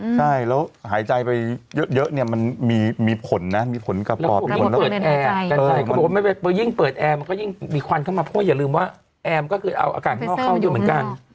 ใช่แล้วหายใจไปเยอะมันมีผลนะมีผลกระป๋อยิ่งเปิดแอร์มันก็ยิ่งมีควันเข้ามาค่ะอย่าลืมว่าแอร์มันก็คือเอาอากาศข้างนอกเข้ามาอยู่เหมือนกัน